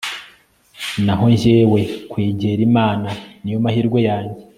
naho jyewe, kwegera imana ni yo mahirwe yanjye